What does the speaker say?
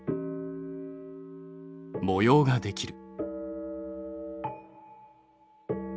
模様ができる。